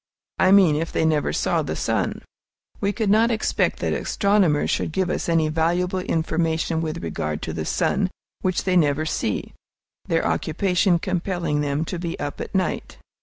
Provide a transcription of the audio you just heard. I mean, if they never saw the sun? We cannot expect that astronomers should give us any valuable information with regard to the sun, which they never see, their occupation compelling them to be up at night.